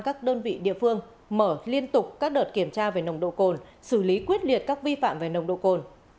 các đơn vị địa phương mở liên tục các đợt kiểm tra về nồng độ cồn xử lý quyết liệt các vi phạm về nồng độ cồn